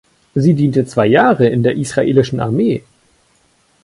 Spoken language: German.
Sie diente zwei Jahre in der israelischen Armee.